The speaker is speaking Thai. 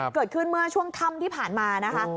เกิดขึ้นเมื่อช่วงค่ำที่ผ่านมานะคะ